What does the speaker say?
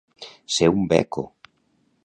Ser un beco.